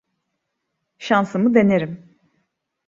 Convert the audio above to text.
Şansımı denerim.